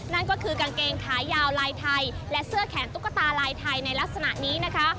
นั่นก็คือกางเกงขายาวลายไทยและเสื้อแขนตุ๊กตาลายไทยในลักษณะนี้นะคะ